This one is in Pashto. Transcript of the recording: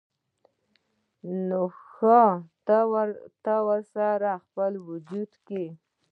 نو ښايي تاسې ورسره خپل وجود کې